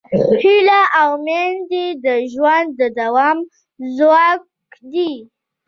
هیله او امید د ژوند د دوام ځواک دی.